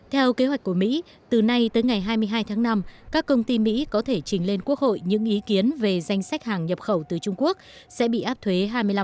theo kế hoạch của mỹ từ nay tới ngày hai mươi hai tháng năm các công ty mỹ có thể trình lên quốc hội những ý kiến về danh sách hàng nhập khẩu từ trung quốc sẽ bị áp thuế hai mươi năm